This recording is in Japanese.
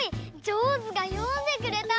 ジョーズが読んでくれた！